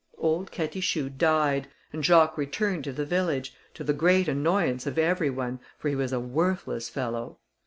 Old Catichou died, and Jacques returned to the village, to the great annoyance of every one, for he was a worthless fellow.